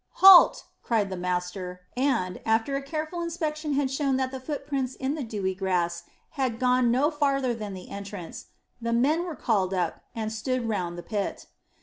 "Halt!" cried the master; and, after a careful inspection had shown that the footprints in the dewy grass had gone no farther than the entrance, the men were called up, and stood round the pit.